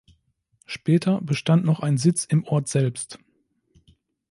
Später bestand noch ein Sitz im Ort selbst.